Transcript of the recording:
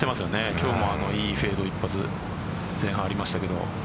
今日もいいフェード一発前半にありましたけど。